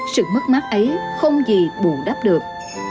sự mất mát ấy không gì buồn đáp được